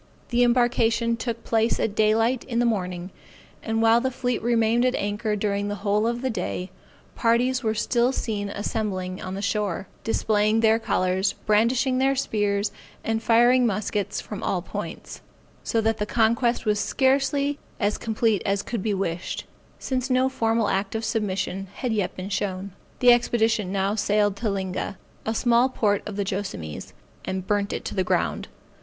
The embarkation took place at daylight in the morning; and while the fleet remained at anchor during the whole of the day, parties were still seen assembling on the shore, displaying their colors, brandishing their spears, and firing muskets from all points; so that the conquest was scarcely as complete as could be wished, since no formal act of submission had yet been shown. The expedition now sailed to Linga, a small port of the Joassamees, and burnt it to the ground.